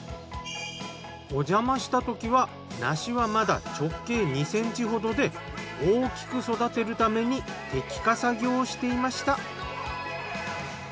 おじゃましたときは梨はまだ直径２ｃｍほどで大きく育てるために摘果作業をしていました。